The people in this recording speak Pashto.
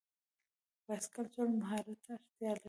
بایسکل چلول مهارت ته اړتیا لري.